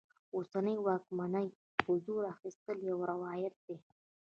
اوسنۍ واکمنۍ په زور اخیستل یو روایت دی.